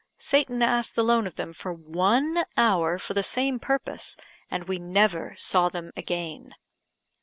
Satan asked the loan of them for one hour for the same purpose, and we never saw them again.